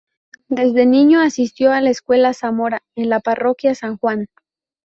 Desde niño asistió a la Escuela Zamora, en la parroquia San Juan.